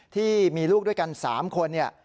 ที่มีลูกด้วยกัน๓คน